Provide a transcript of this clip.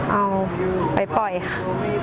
เอาไปปล่อยค่ะ